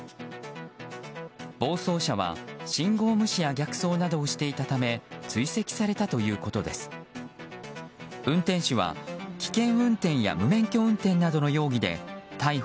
暴走車は信号無視や逆走などをしていたため追跡されたということです。